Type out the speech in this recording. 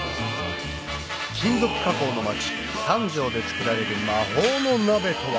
金属加工の町三条で造られる魔法の鍋とは？